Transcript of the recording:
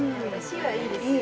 いいですよね。